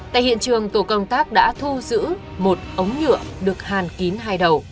tại hiện trường tổ công tác đã thu giữ một ống nhựa được hàn kín hai đầu